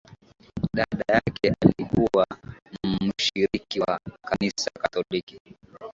dada yake alikuwa mshiriki wa kanisa katoliki